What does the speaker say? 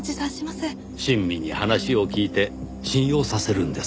親身に話を聞いて信用させるんです。